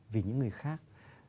vì những người khác